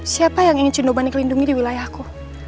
siapa yang ingin cinta lindungi di wilayahku